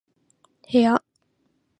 部屋